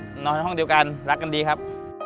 เข้าทางห่องเดียวกันรักกันดีครับ